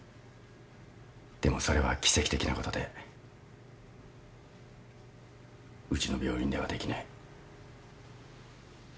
でもそれは奇跡的なことでうちの病院ではできない。